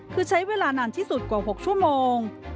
คือใช้เวลานานที่สุดกว่า๖ชั่วโมง